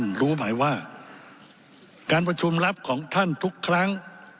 รู้หมายว่าการประชุมรับของท่านทุกครั้ง